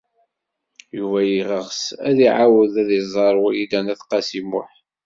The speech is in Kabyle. Yuba yeɣs ad iɛawed ad iẓer Wrida n At Qasi Muḥ.